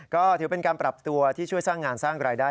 ก็ถือเป็นการปรับตัวที่ช่วยสร้างงานสร้างรายได้